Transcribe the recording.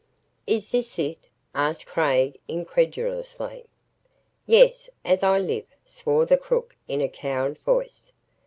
"Is this it?" asked Craig incredulously. "Yes as I live," swore the crook in a cowed voice.